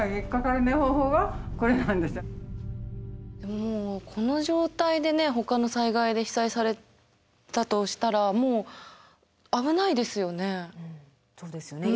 もうこの状態でねほかの災害で被災されたとしたらもう危ないですよね。